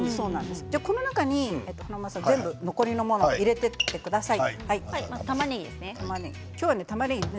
この中に残りのものを華丸さん、入れていってください。